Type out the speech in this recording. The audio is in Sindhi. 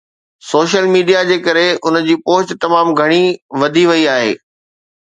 سوشل ميڊيا جي ڪري ان جي پهچ تمام گهڻي وڌي وئي آهي.